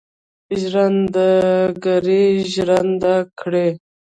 ژرندهګړی ژرنده کړي.